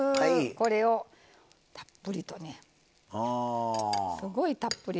これをたっぷりとねすごいたっぷり。